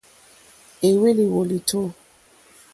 Éhwélì wòlìtó.